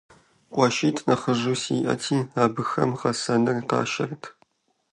КъуэшитӀ нэхъыжьу сиӀэти, абыхэм гъэсыныр къашэрт.